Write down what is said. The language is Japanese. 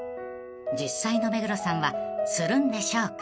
［実際の目黒さんはするんでしょうか？］